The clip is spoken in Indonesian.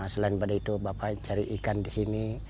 selain itu bapak cari ikan disini